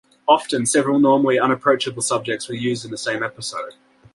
Often several normally unapproachable subjects were used in the same episode.